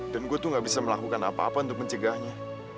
dan gue tuh gak bisa melakukan apa apa untuk mencegahnya